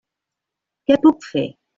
Què puc fer?